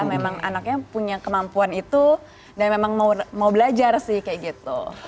memang anaknya punya kemampuan itu dan memang mau belajar sih kayak gitu